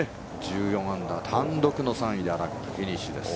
１４アンダー単独の３位で新垣、フィニッシュです。